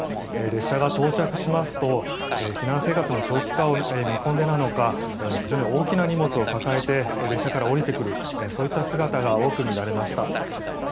列車が到着しますと避難生活の長期化を見込んでか非常に大きな荷物を抱えて列車から降りてくるそういった姿が多く見られました。